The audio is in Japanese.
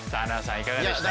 いかがでした？